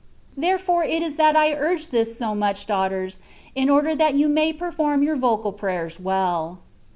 Therefore it is that I urge this so much, daughters, in order that you may per form your vocal prayers well.